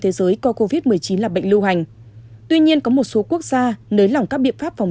thế giới coi covid một mươi chín là bệnh lưu hành tuy nhiên có một số quốc gia nới lỏng các biện pháp phòng